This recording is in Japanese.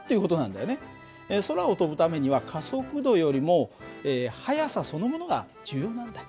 空を飛ぶためには加速度よりも速さそのものが重要なんだ。